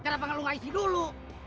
kenapa lo gak isi dulu